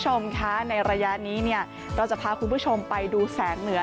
คุณผู้ชมคะในระยะนี้เนี่ยเราจะพาคุณผู้ชมไปดูแสงเหนือ